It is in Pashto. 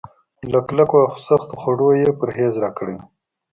له کلکو او سختو خوړو يې پرهېز راکړی و.